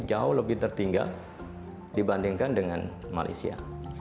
jauh lebih tertinggal dibandingkan dengan malaysia